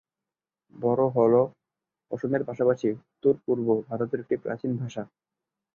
বড়ো হ'ল অসমের পাশাপাশি উত্তর-পূর্ব ভারতের একটি প্রাচীন ভাষা।